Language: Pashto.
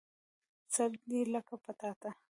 سر دي لکه پټاټه